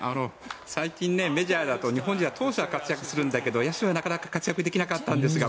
最近、メジャーだと日本人の投手は活躍するけど野手は、なかなか活躍できなかったんですが